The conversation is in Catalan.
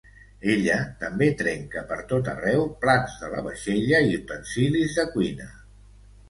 Ella també trenca pertot arreu plats de la vaixella i utensilis de cuina.